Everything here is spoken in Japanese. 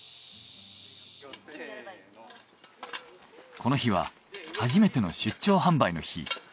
この日は初めての出張販売の日。